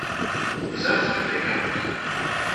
Yesɛa Sami takeṛṛust.